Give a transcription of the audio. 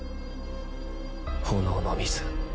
炎の水。